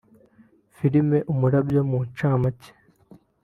Film ‘Umurabyo’ mu ncamake